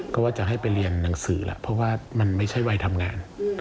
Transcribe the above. ก็ว่าจะให้ไปเรียนหนังสือแล้วเพราะว่ามันไม่ใช่วัยทำงาน